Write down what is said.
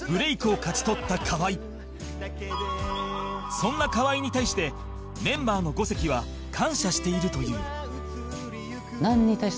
そんな河合に対してメンバーの五関は感謝しているという